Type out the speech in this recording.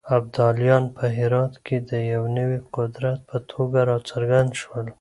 ابدالیان په هرات کې د يو نوي قدرت په توګه راڅرګند شول.